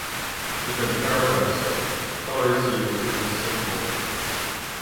Within Paradise, color is used as a symbol.